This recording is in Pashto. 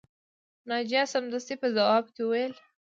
ناجیه سمدستي په ځواب کې وویل